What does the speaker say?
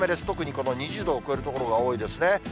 特にこの２０度を超える所が多いですね。